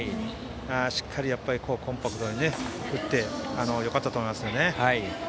しっかりコンパクトに振ってよかったと思いますね。